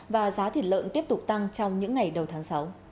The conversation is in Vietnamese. và giá thịt lợn tiếp tục tăng trong những ngày đầu tháng sáu